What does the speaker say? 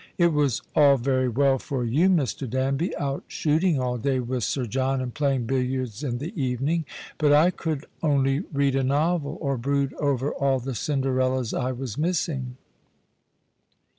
It was all very well for 170 The Christmas. Hirelings. you, Mr. Danby, out shooting all day with Sir John and playing billiards in the evening, but I could only read a novel, or brood over all the Cinderellas I was missing."